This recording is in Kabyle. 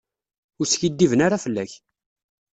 Ur skiddiben ara fell-ak.